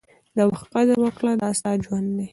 د وخت قدر وکړه، دا ستا ژوند دی.